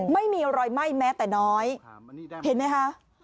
ไม่มีรอยไหม้แม้แต่น้อยเห็นไหมคะ